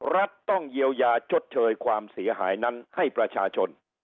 รัฐต้องเยียวยาชดเชยความเสียหายนั้นให้ประชาชน